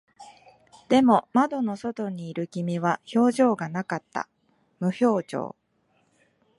でも、窓の外にいる君は表情がなかった。無表情。